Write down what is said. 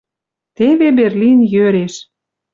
Теве Берлин йӧреш